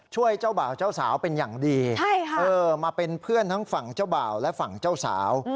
เจ้าบ่าวเจ้าสาวเป็นอย่างดีมาเป็นเพื่อนทั้งฝั่งเจ้าบ่าวและฝั่งเจ้าสาว